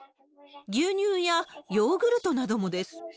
牛乳やヨーグルトなどもです。